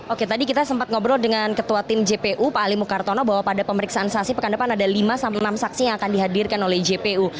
oke tadi kita sempat ngobrol dengan ketua tim jpu pak ali mukartono bahwa pada pemeriksaan saksi pekan depan ada lima enam saksi yang akan dihadirkan oleh jpu